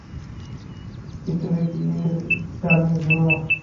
ভিতরে গিয়ে ডানে ঘুরো।